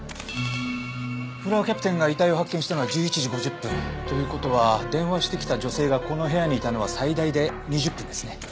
フロアキャプテンが遺体を発見したのは１１時５０分。という事は電話してきた女性がこの部屋にいたのは最大で２０分ですね。